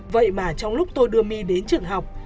vậy mà trong lúc tôi đưa my đến trường học